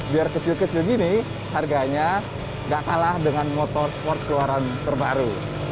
biar kecil kecil gini harganya gak kalah dengan motor sport keluaran terbaru